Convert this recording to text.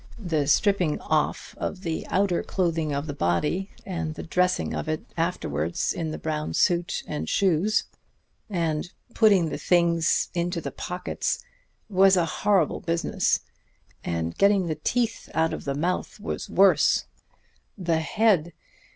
The stripping off of the outer clothing of the body and the dressing of it afterwards in the brown suit and shoes, and putting the things into the pockets, was a horrible business; and getting the teeth out of the mouth was worse. The head